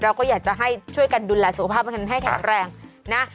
เราก็อยากจะให้ช่วยกันดูแลสุขภาพกันให้แข็งแรงนะ